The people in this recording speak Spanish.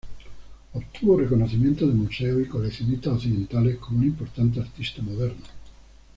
Obtuvo reconocimiento de museos y coleccionistas occidentales como un importante artista moderno.